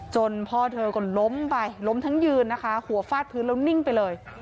พ่อเธอก็ล้มไปล้มทั้งยืนนะคะหัวฟาดพื้นแล้วนิ่งไปเลย